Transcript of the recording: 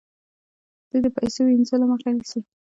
دوی د پیسو وینځلو مخه نیسي.